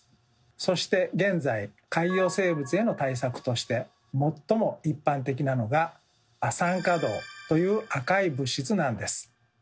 そして現在海洋生物への対策として最も一般的なのが「亜酸化銅」という赤い物質なんです。